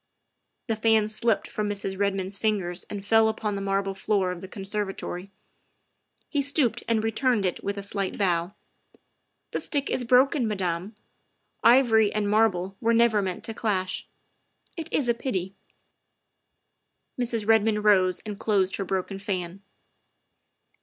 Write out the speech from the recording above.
'' The fan slipped from Mrs. Redmond's fingers and fell upon the marble floor of the conservatory. He stooped and returned it with a slight bow. " The stick is broken, Madame. Ivory and marble were never meant to clash. It is a pity. '' Mrs. Redmond rose and closed her broken fan.